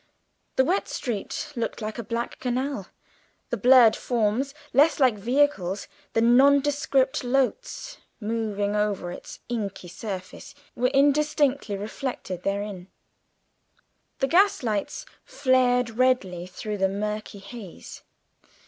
The wet street looked like a black canal; the blurred forms, less like vehicles than nondescript boats, moving over its inky surface, were indistinctly reflected therein; the gas lights flared redly through the murky haze.